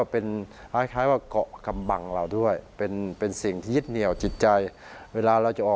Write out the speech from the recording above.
เพราะว่าการเป็นฮีโร่